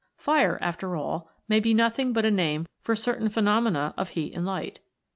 Fire, after all, may be nothing but a name for certain phenomena of heat and light.